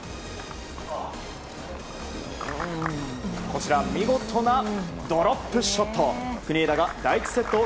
こちら見事なドロップショット。